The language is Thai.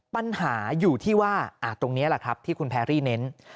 ปัญหาอยู่ที่ว่าตรงนี้แหละครับที่คุณแพรรี่เน้น